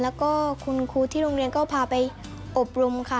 แล้วก็คุณครูที่โรงเรียนก็พาไปอบรมค่ะ